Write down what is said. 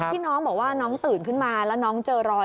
ที่น้องบอกว่าน้องตื่นขึ้นมาแล้วน้องเจอรอย